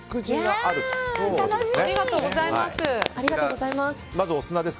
ありがとうございます。